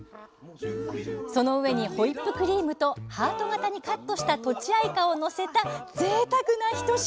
その上にホイップクリームとハート型にカットしたとちあいかをのせたぜいたくな一品！